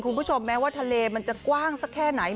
คุณผู้ชมแม้ว่าทะเลมันจะกว้างสักแค่ไหน